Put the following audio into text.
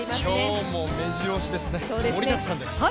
今日も目白押しです、盛りだくさんです。